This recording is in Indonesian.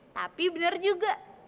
tapi bener juga